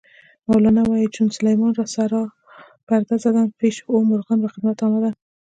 مولانا وایي: "چون سلیمان را سرا پرده زدند، پیشِ او مرغان به خدمت آمدند".